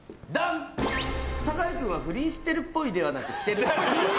酒井君は不倫してるっぽいではなく、してる。